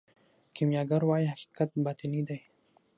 کیمیاګر وايي حقیقت باطني دی.